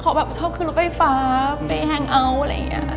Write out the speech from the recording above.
เพราะเขาชอบขึ้นรถไฟฟ้าไปแฮงค์เอาท์